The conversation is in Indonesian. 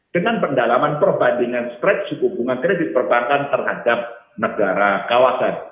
dengan pendalaman perbandingan spread sehubungan kredit perbankan terhadap negara kawasan